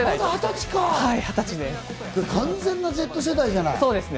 完全なＺ世代じゃない！